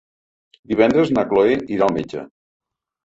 Divendres na Cloè irà al metge.